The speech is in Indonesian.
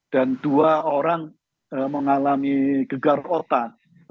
dan dua orang mengalami gegar otak